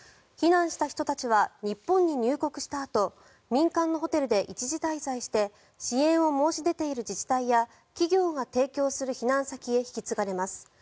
避難した人たちは日本に入国したあと民間のホテルで一時滞在して支援を申し出ている自治体や企業が提供している避難先へ引き継がれます。